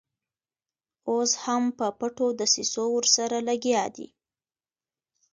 اوس هم په پټو دسیسو ورسره لګیا دي.